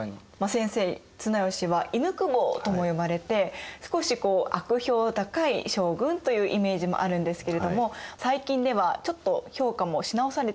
先生綱吉は「犬公方」とも呼ばれて少し悪評高い将軍というイメージもあるんですけれども最近ではちょっと評価もし直されてきていますよね。